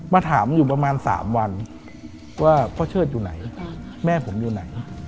มาถามอยู่ประมาณ๓วันว่าพ่อเชิดอยู่ไหนแม่ผมอยู่ไหน